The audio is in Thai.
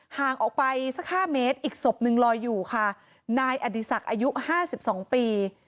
ห่างออกไปสักห้าเมตรอีกศพหนึ่งลอยอยู่ค่ะนายอดีศักดิ์อายุห้าสิบสองปี